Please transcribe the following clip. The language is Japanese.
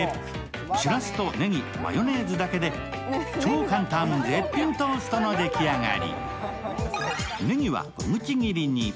しらすとねぎ、マヨネーズだけで超簡単絶品トーストの出来上がり。